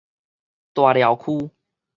大寮區